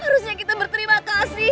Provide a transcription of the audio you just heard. harusnya kita berterima kasih